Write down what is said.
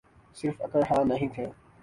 صرف اکڑ خان نہیں تھے۔